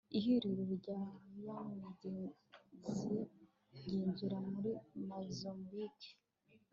ihuriro rya yamigeziryinjira muri mozambike